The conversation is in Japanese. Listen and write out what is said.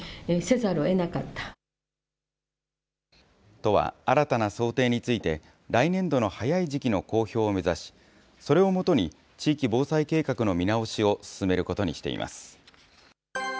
都は、新たな想定について、来年度の早い時期の公表を目指し、それをもとに、地域防災計画の見直しを進めることにしています。